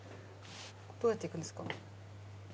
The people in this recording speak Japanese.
どうやって行くんですか？